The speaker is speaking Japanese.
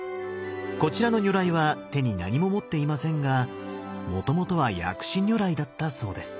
こちらの如来は手に何も持っていませんがもともとは薬師如来だったそうです。